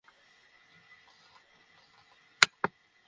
তুমি আমার বোনকে অন্যায়ভাবে মেরে ফেললে, বাবা।